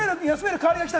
代わりが来た！